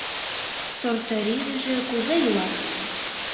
Сортарӱдыжӧ кузе йӱла